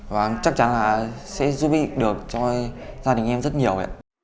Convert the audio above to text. và chắc chắn là sẽ giúp đỡ cho gia đình em rất nhiều